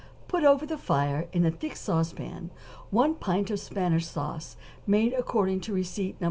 = Put over the fire in a thick sauce pan one pint of Spanish sauce made according to receipt No.